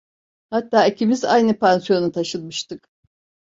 Hatta ikimiz aynı pansiyona taşınmıştık.